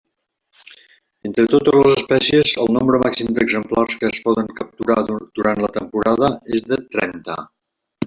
Entre totes les espècies el nombre màxim d'exemplars que es poden capturar durant la temporada és de trenta.